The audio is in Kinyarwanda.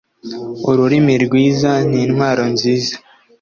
ururimi rwiza nintwaro nziza